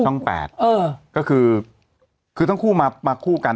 ช่องแปดก็คือคือทั้งคู่มาคู่กัน